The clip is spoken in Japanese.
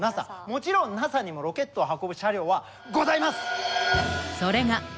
もちろんＮＡＳＡにもロケットを運ぶ車両はございます。